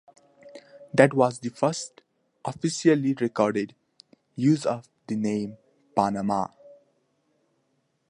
That was the first, officially recorded, use of the name "Panama".